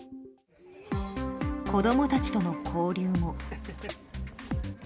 子供たちとの交流も。